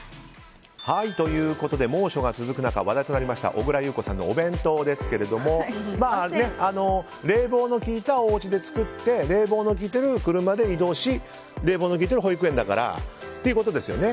猛暑が続く中話題となりました小倉優子さんのお弁当ですがまあ、冷房のきいたおうちで作って冷房の効いてる車で移動し冷房の効いた保育園だからっていうことですよね。